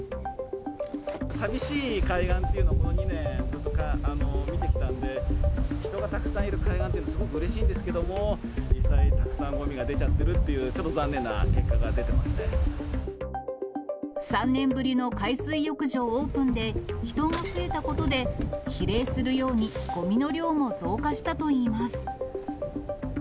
さみしい海岸っていうのをこの２年、見てきたので、人がたくさんいる海岸って、すごくうれしいんですけれども、実際、たくさんごみが出ちゃってるっていう、ちょっと残念な結果が出て３年ぶりの海水浴場オープンで、人が増えたことで、比例するようにごみの量も増加したといいます。